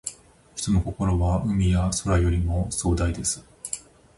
人の心は、海や空よりも壮大です。